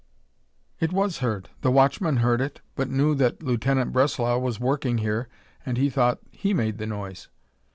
"It was heard. The watchman heard it, but knew that Lieutenant Breslau was working here and he thought that he made the noise."